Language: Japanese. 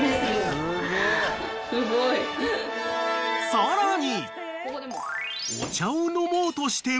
［さらに］